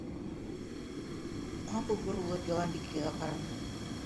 Ҡапыл боролоп Яланбикәгә ҡараны.